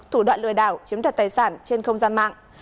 thủ đoạn lừa đảo chiếm đoạt tài sản trên không gian mạng